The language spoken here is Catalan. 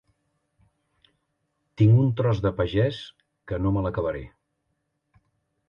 Tinc un tros de pagès que no me l'acabaré.